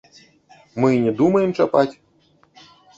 Мы і не думаем чапаць.